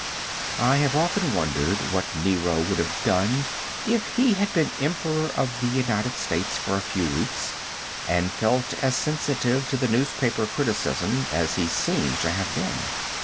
I have often wondered what Nero would have done if he had been Emperor of the United States for a few weeks and felt as sensitive to newspaper criticism as he seems to have been.